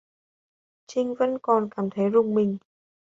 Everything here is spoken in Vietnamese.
Trinh vẫn còn cảm thấy rùng mình